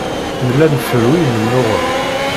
Nella nferru imennuɣen.